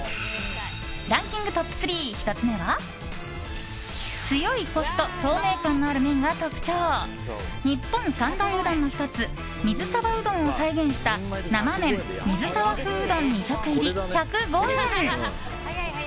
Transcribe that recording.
ランキングトップ３、１つ目は強いコシと透明感のある麺が特徴日本三大うどんの１つ水沢うどんを再現した生麺、水沢風うどん２食入り１０５円。